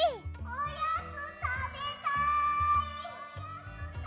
おやつたべたい。